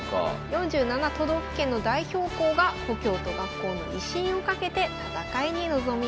４７都道府県の代表校が故郷と学校の威信を懸けて戦いに臨みます。